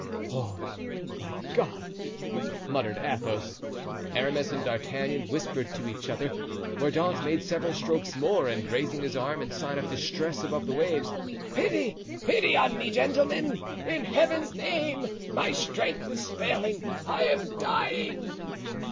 "Oh, my God!" muttered Athos. Aramis and D'Artagnan whispered to each other. Mordaunt made several strokes more, and raising his arm in sign of distress above the waves: "Pity, pity on me, gentlemen, in Heaven's name! my strength is failing me; I am dying."